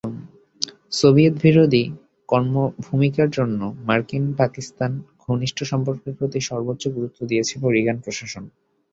সোভিয়েতবিরোধী ভূমিকার জন্য মার্কিন-পাকিস্তান ঘনিষ্ঠ সম্পর্কের প্রতি সর্বোচ্চ গুরুত্ব দিয়েছিল রিগান প্রশাসন।